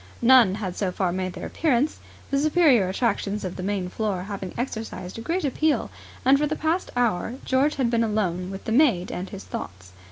None had so far made their appearance, the superior attractions of the main floor having exercised a great appeal; and for the past hour George had been alone with the maid and his thoughts.